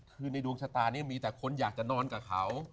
คือในดวงชะตานี้มีแต่คนอยากจะนอนกับเขา